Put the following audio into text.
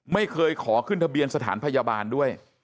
ไม่เคยขอขึ้นทะเบียนสถานพยาบาลด้วย